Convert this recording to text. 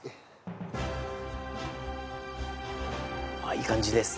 いい感じです。